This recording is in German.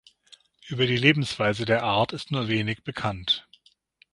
Über die Lebensweise der Art ist nur wenig bekannt.